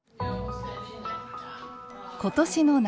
今年の夏